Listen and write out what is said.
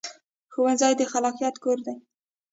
ښوونځی د خلاقیت کور دی